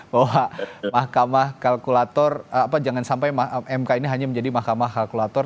bahwa mahkamah kalkulator jangan sampai mk ini hanya menjadi mahkamah kalkulator